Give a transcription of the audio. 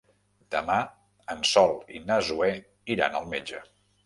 Demà en Sol i na Zoè iran al metge.